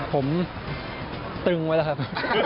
ผมตึงไว้แล้วครับ